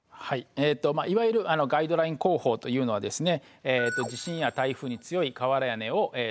えっといわゆるガイドライン工法というのはですね